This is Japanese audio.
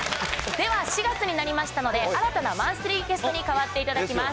では４月になりましたので、新たなマンスリーゲストに加わっていただきます。